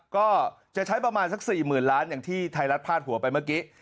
ก็จะใช้ประมาณสัก๔๐๐๐ล้านอย่างที่ไทยรัฐพาดหัวไปเมื่อกี้